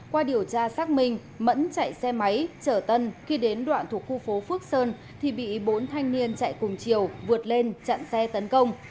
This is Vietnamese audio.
qua điều tra xác minh mẫn chạy xe máy chở tân khi đến đoạn thuộc khu phố phước sơn thì bị bốn thanh niên chạy cùng chiều vượt lên chặn xe tấn công